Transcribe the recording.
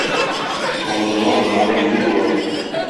Авызыңа-борыныңа су тулыр.